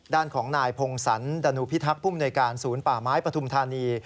ด้านของนายพงศรดานูพิทักษ์ภูมิหน่วยการศูนย์ป่าไม้ปฐุมธานี